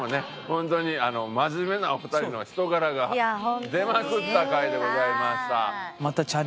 本当に真面目なお二人の人柄が出まくった回でございました。